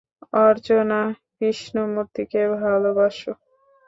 অর্চনা কৃষ্ণমুর্তিকে ভালোবাসো?